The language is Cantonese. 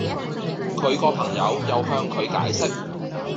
佢個朋友又向佢解釋